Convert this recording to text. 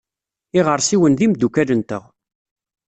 Iɣersiwen d imeddukal-nteɣ.